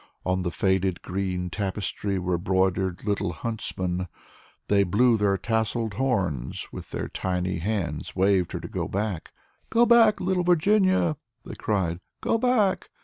On the faded green tapestry were broidered little huntsmen. They blew their tasseled horns and with their tiny hands waved to her to go back. "Go back! little Virginia," they cried, "go back!"